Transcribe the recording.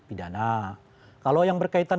pidana kalau yang berkaitan